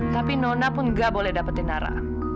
tapi nona pun gak boleh dapetin nara